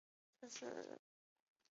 比埃什河畔阿普尔人口变化图示